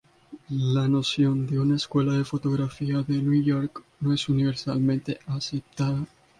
La noción de una Escuela de Fotografía de Nueva York no es universalmente aceptada.